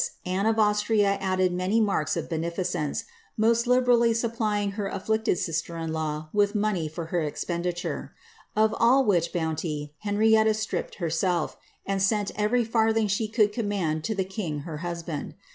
93 Anne of Anstria added many marks of beneficence, most liberally supply ing her afflicted sister in law with money for her expenditure ; of all which bounty Henrietta stripped herself, and sent erery farthing she could command to the king her husband.